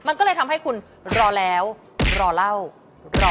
ไม่เอามันก็เลยทำให้คุณรอแล้วรอเล่ามันก็เลยทำให้คุณรอแล้วรอเล่า